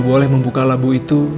boleh membuka labu itu